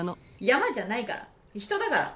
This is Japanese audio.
山じゃないから人だから。